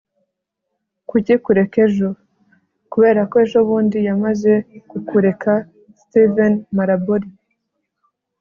kuki kureka ejo? kubera ko ejobundi yamaze kukureka - steve maraboli